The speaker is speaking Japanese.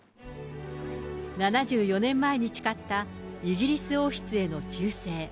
７４年前に誓った、イギリス王室への忠誠。